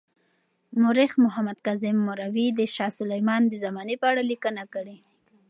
مورخ محمد کاظم مروي د شاه سلیمان د زمانې په اړه لیکنه کړې.